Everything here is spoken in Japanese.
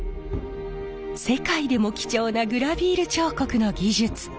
世界でも貴重なグラヴィール彫刻の技術。